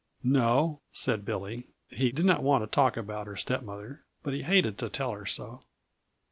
"No," said Billy. He did not want to talk about her stepmother, but he hated to tell her so.